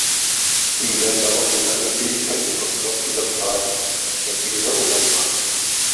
Ihm werden daraufhin alle Fähigkeiten von Gott übertragen, während dieser Urlaub macht.